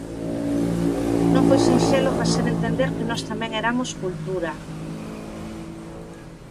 Non foi sinxelo facer entender que nos tamén eramos cultura.